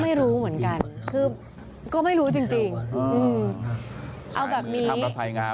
ก็ไม่รู้เหมือนกันก็ไม่รู้จริง